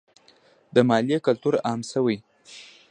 د مالیې کلتور عام شوی؟